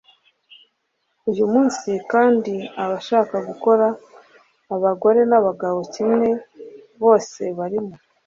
uyumunsi, kandi abashaka gukora abagore nabagabo kimwe bose barimo